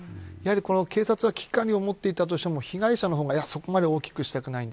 警察が危機管理を持っていたとしても被害者がそこまで大きくしたくない。